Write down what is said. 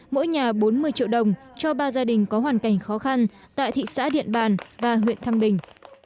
mỗi nhà bốn mươi triệu đồng cho ba gia đình có hoàn cảnh khó khăn tại thị xã điện bàn và huyện thăng bình